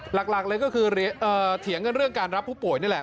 หลักเลยก็คือเถียงกันเรื่องการรับผู้ป่วยนี่แหละ